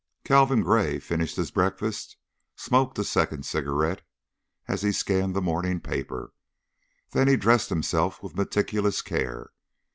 Calvin Gray finished his breakfast, smoked a second cigarette as he scanned the morning paper, then he dressed himself with meticulous care.